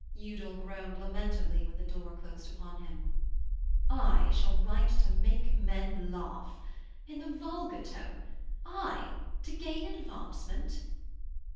Udal groaned lamentably when the door closed upon him: 'I shall write to make men laugh! In the vulgar tongue! I! To gain advancement!'